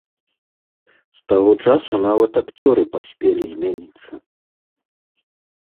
З таго часу нават акцёры паспелі змяніцца.